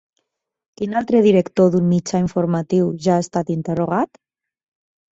Quin altre director d'un mitjà informatiu ja ha estat interrogat?